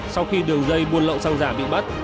sau khi đường dây buôn lậu xăng giả bị bắt